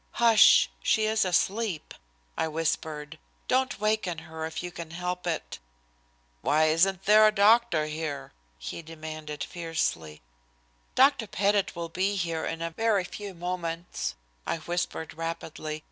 "Hush! She is asleep," I whispered. "Don't waken her if you can help it." "Why isn't there a doctor here?" he demanded fiercely. "Dr. Pettit will be here in a very few moments," I whispered rapidly.